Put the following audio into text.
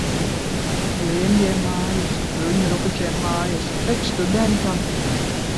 Gliemjiem mājas. Bruņurupučiem mājas. Bet studentam?!..